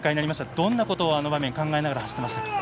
どんなことを考えながら走っていましたか？